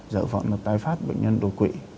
giữ phòng được tái phát bệnh nhân đột quỵ